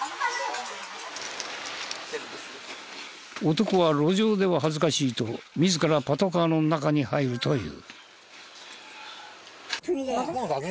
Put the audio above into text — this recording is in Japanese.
男は路上では恥ずかしいと自らパトカーの中に入るという。